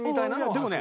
でもね